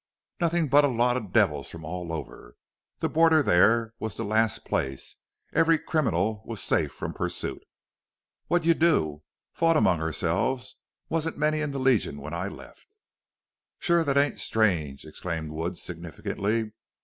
"Nothing but a lot of devils from all over. The border there was the last place. Every criminal was safe from pursuit." "What'd you do?" "Fought among ourselves. Wasn't many in the Legion when I left." "Shore thet ain't strange!" exclaimed Wood, significantly.